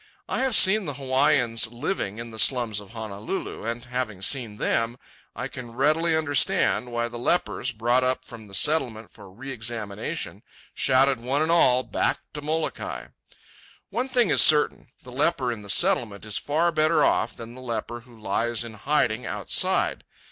I have seen the Hawaiians living in the slums of Honolulu, and, having seen them, I can readily understand why the lepers, brought up from the Settlement for re examination, shouted one and all, "Back to Molokai!" One thing is certain. The leper in the Settlement is far better off than the leper who lies in hiding outside.